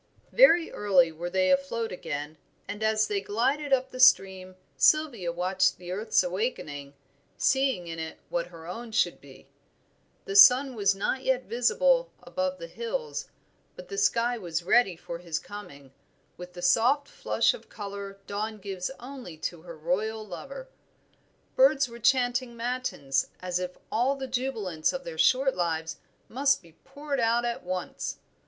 Very early were they afloat again, and as they glided up the stream Sylvia watched the earth's awakening, seeing in it what her own should be. The sun was not yet visible above the hills, but the sky was ready for his coming, with the soft flush of color dawn gives only to her royal lover. Birds were chanting matins as if all the jubilance of their short lives must be poured out at once.